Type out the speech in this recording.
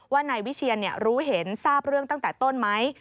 ว่านายวิเชียนรู้เห็นทราบเรื่องตั้งแต่ต้นไหม